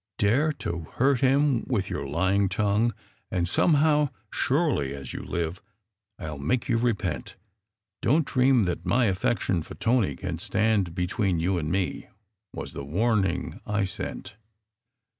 "Dare to hurt him with your lying tongue, and somehow, surely as you live, I ll make you repent. Don t dream that my affection for Tony can stand between you and me," was the warning I sent.